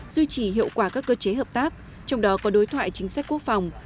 duy trì hiệu quả các cơ chế hợp tác trong đó có đối thoại chính sách quốc phòng